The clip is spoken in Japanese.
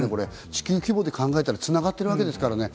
地球規模で考えたら繋がってるわけですからね。